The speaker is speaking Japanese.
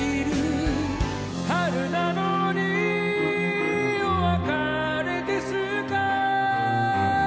「春なのにお別れですか」